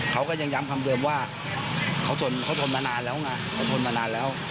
เขาก็ยังย้ำคำเดิมว่าเขาทนมานานแล้ว